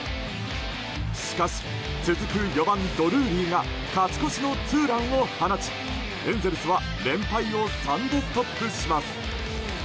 しかし続く４番、ドルーリーが勝ち越しのツーランを放ちエンゼルスは連敗を３でストップします。